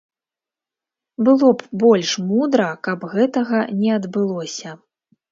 Было б больш мудра, каб гэтага не адбылося.